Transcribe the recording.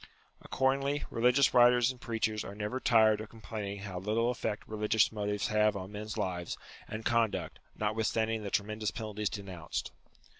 Accordingly religious writers and preachers are never tired of complaining how little effect religious motives have on men's lives and conduct, notwithstanding the tremendous penalties denounced.